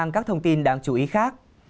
các thông tin đáng chú ý khác